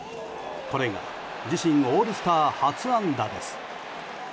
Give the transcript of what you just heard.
これが自身オールスター初安打です。